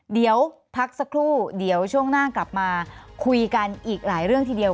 เดี๋ยวพักสักครู่เดี๋ยวช่วงหน้ากลับมาคุยกันอีกหลายเรื่องทีเดียว